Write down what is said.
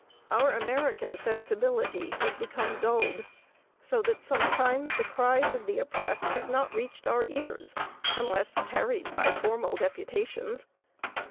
Our American sensibility has become dulled, so that sometimes the cries of the oppressed have not reached our ears unless carried by formal deputations.